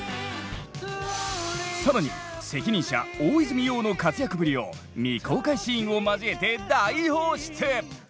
更に責任者・大泉洋の活躍ぶりを未公開シーンを交えて大放出！